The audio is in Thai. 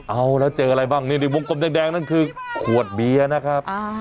เอาแล้วเจออะไรบ้างนี่ในวงกลมแดงนั่นคือขวดเบียร์นะครับ